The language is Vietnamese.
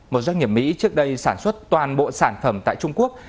một doanh nghiệp mỹ trước đây sản xuất toàn bộ sản phẩm tại trung quốc